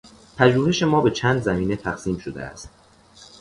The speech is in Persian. پژوهش ما به چند زمینه تقسیم شده است.